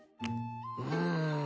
うん。